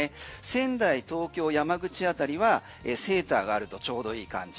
仙台、東京山口辺りはセーターがあるとちょうどいい感じ。